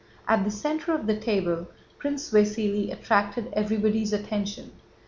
At the center of the table, Prince Vasíli attracted everybody's attention.